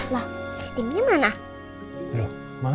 lah steamnya mana